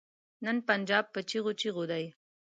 نن پنجاب په چيغو چيغو دی.